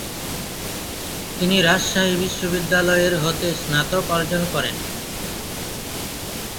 তিনি রাজশাহী বিশ্ববিদ্যালয়ের হতে স্নাতক অর্জন করেন।